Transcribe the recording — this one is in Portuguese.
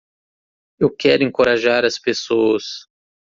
Eu quero encorajar as pessoas